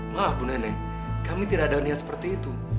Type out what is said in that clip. maaf ibu neneng kami tidak ada niat seperti itu